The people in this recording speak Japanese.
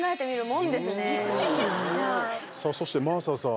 そして真麻さん。